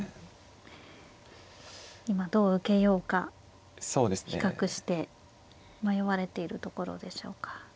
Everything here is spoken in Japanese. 今どう受けようか比較して迷われているところでしょうか。